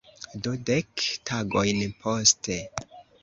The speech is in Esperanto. Do dek tagojn poste.